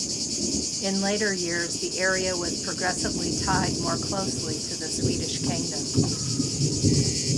In later years the area was progressively tied more closely to the Swedish kingdom.